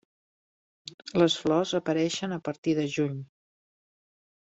Les flors apareixen a partir de juny.